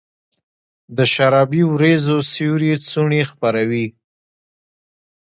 د شرابې اوریځو سیوري څوڼي خپروي